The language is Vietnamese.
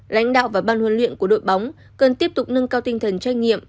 lãnh đạo và ban huấn luyện của đội bóng cần tiếp tục nâng cao tinh thần trách nhiệm